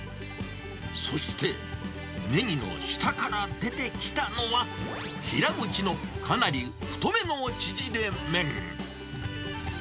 そして、ネギの下から出てきたのは、平打ちのかなり太めのちぢれ麺。